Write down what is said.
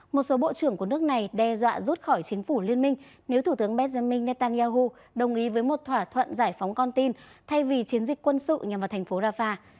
một số bộ trưởng của nước này đe dọa rút khỏi chính phủ liên minh nếu thủ tướng benjamin netanyahu đồng ý với một thỏa thuận giải phóng con tin thay vì chiến dịch quân sự nhằm vào thành phố rafah